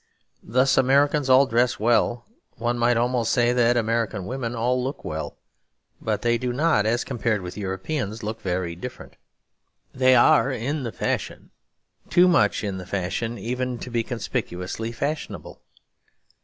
Thus Americans all dress well; one might almost say that American women all look well; but they do not, as compared with Europeans, look very different. They are in the fashion; too much in the fashion even to be conspicuously fashionable.